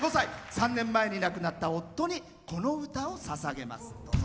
３年前に亡くなった夫にこの歌をささげます。